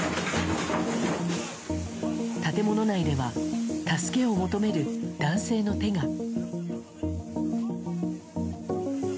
建物内では、助けを求める男性の手が。